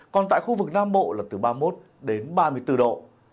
còn tại khu vực nam bộ là từ ba mươi một đến ba mươi bốn độ